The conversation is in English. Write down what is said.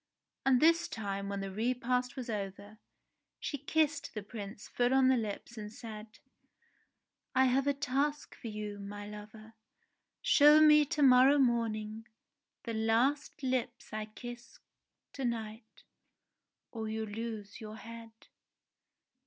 And this time when the repast was over, she kissed the Prince full on the lips and said : "I have a task for you, my lover. Show me to morrow morning the last lips I kiss to night or you lose your head."